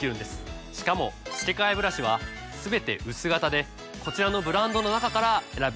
しかも付け替えブラシはすべて薄型でこちらのブランドの中から選べますよ。